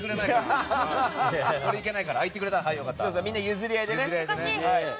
みんな譲り合いでね。